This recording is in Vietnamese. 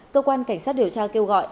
cơ quan cảnh sát điều tra kêu gọi